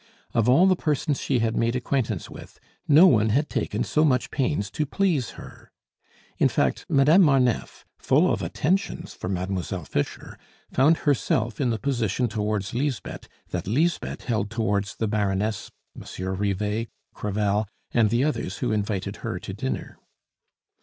Of all the persons she had made acquaintance with, no one had taken so much pains to please her. In fact, Madame Marneffe, full of attentions for Mademoiselle Fischer, found herself in the position towards Lisbeth that Lisbeth held towards the Baroness, Monsieur Rivet, Crevel, and the others who invited her to dinner.